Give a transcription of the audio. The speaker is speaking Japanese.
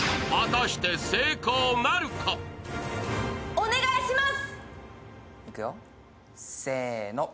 お願いします。